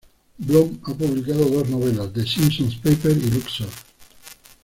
Blom ha publicado dos novelas: "The Simmons Papers" y "Luxor".